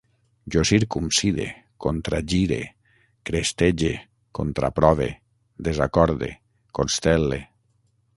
Jo circumcide, contragire, crestege, contraprove, desacorde, constel·le